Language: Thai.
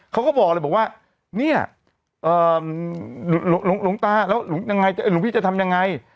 เขาก็บอกเลยบอกว่าเนี่ยเอ่อหลวงหลวงตาแล้วหลวงยังไงหลวงพี่จะทำยังไง